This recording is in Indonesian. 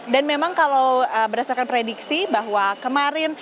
dan memang kalau berdasarkan prediksi bahwa kemarin